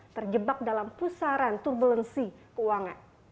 terjebak dalam pusaran turbulensi keuangan